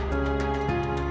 aku gak capek